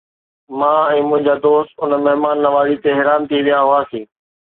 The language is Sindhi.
مان ۽ منهنجا دوست ان مهمان نوازي تي حيران ٿي ويا هئاسين.